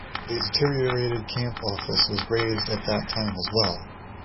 The deteriorated camp office was razed at that time as well.